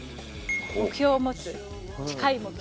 目標を持つ近い目標」。